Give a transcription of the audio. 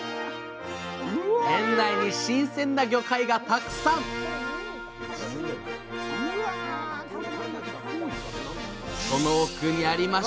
店内に新鮮な魚介がたくさんその奥にありました！